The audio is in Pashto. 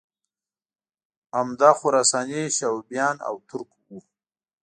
عمده خراساني شعوبیان او ترک وو